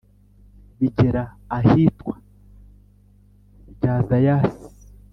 Bigera ahitwa Rya Zayasi